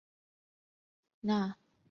纳特兹维莱。